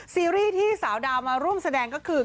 ซีรีส์ที่สาวดาวมาร่วมแสดงก็คือ